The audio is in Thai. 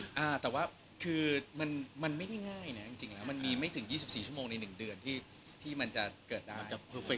แต่ว่ามันไม่ได้ง่ายนะมันมีไม่ถึง๒๔ชั่วโมงใน๑เดือนที่มันจะเกิดได้